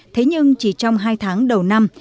thế nhưng chỉ trong hai tháng đầu năm